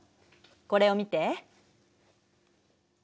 これを見て。